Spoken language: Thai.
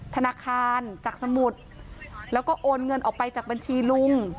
ธนาคารจากสมุทรแล้วก็โอนเงินออกไปจากบัญชีลุง